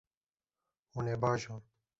Hûn ê biajon.